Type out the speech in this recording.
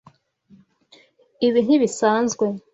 Ibi ntibisanzwe.